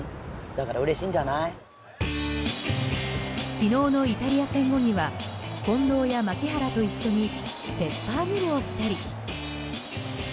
昨日のイタリア戦後には近藤や牧原と一緒にペッパーミルをしたり。